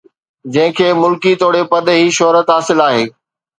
جنهن کي ملڪي توڙي پرڏيهي شهرت حاصل آهي